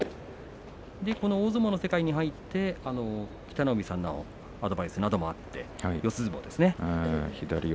大相撲の世界に入って北の湖さんのアドバイスなどもあって四つ相撲ですね。